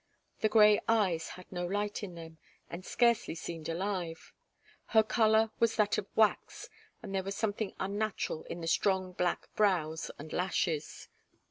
The grey eyes had no light in them, and scarcely seemed alive. Her colour was that of wax, and there was something unnatural in the strong black brows and lashes.